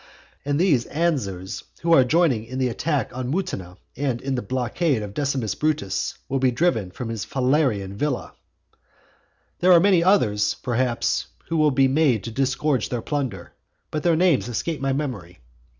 And these Ansers who are joining in the attack on Mutina and in the blockade of Decimus Brutus will be driven from his Falernian villa. There are many others, perhaps, who will be made to disgorge their plunder, but their names escape my memory.